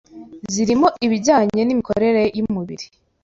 zirimo ibijyanye n’imikorere y’umubiri